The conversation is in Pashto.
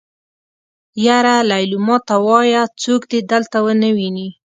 يره ليلما ته وايه څوک دې دلته ونه ويني.